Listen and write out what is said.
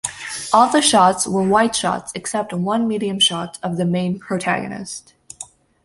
All the shots are wide shots except one medium shot of the main protagonist.